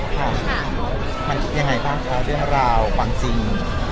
อย่างไรว่าครับเพราะว่าเมืองราวพวกเถียว